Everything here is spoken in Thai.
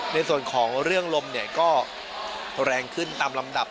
ในส่วนของเรื่องลมเนี่ยก็แรงขึ้นตามลำดับ